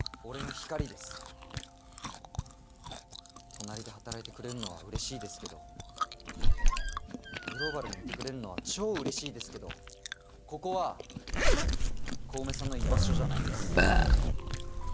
隣で働いてくれるのはうれしいですけどグローバルにいてくれるのは超うれしいですけどここは小梅さんの居場所じゃないです。